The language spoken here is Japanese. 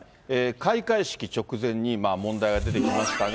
開会式直前に問題が出てきましたが。